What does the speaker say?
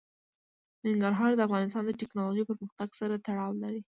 ننګرهار د افغانستان د تکنالوژۍ پرمختګ سره تړاو لري.